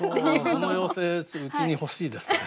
この妖精うちに欲しいですね。